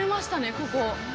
ここ。